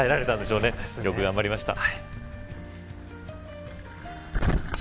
よく頑張りました。